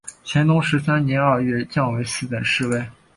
乾隆十六年二月降为四等侍卫。